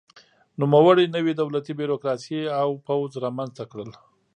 نوموړي نوې دولتي بیروکراسي او پوځ رامنځته کړل.